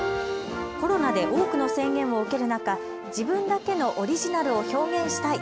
コロナで多くの制限を受ける中、自分だけのオリジナルを表現したい。